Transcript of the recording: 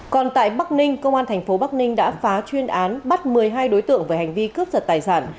còn tại bắc ninh công an thành phố bắc ninh đã phá chuyên án bắt một mươi hai đối tượng về hành vi cướp giật tài sản